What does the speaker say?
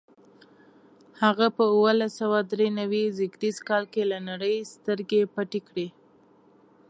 هغه په اوولس سوه درې نوي زېږدیز کال له نړۍ سترګې پټې کړې.